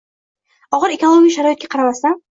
og‘ir ekologik sharoitga qaramasdan